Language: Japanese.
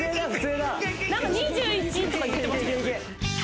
何か２１とか言ってましたよ。